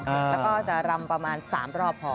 แล้วก็จะรำประมาณ๓รอบพอ